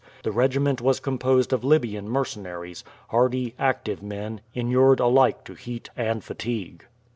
The regiment was composed of Libyan mercenaries, hardy, active men, inured alike to heat and fatigue.